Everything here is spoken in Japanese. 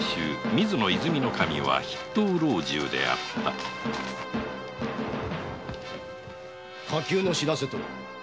守は筆頭老中であった火急の報せとは？